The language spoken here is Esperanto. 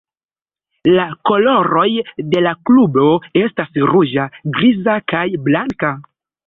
La koloroj de la klubo estas ruĝa, griza, kaj blanka.